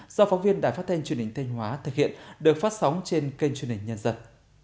do phóng viên đài phát thanh truyền hình thanh hóa thực hiện được phát sóng trên kênh truyền hình nhân dân